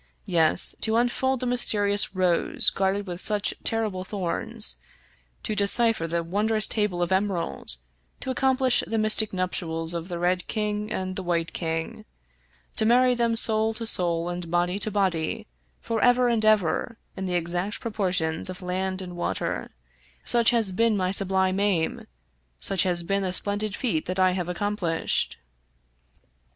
Yes, to un fold the mysterious Rose guarded with such terrible thorns ; to decipher the wondrous Table of Emerald ; to accomplish the mystic nuptials of the Red King and the White Queen ; to marry them soul to soul and body to body, forever and ever, in the exact proportions of land and water — such has been my sublime aim, such has been the splendid feat that I have accomplished."